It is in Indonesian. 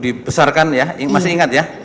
dibesarkan ya masih ingat ya